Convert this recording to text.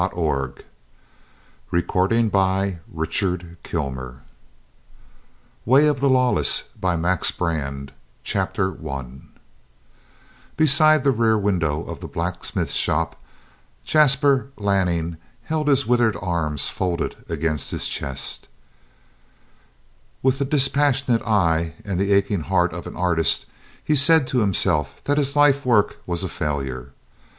published under title: Free Range WAY OF THE LAWLESS CHAPTER 1 Beside the rear window of the blacksmith shop Jasper Lanning held his withered arms folded against his chest. With the dispassionate eye and the aching heart of an artist he said to himself that his life work was a failure.